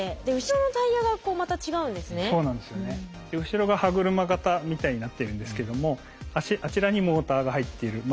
後ろが歯車形みたいになってるんですけどもあちらにモーターが入っている。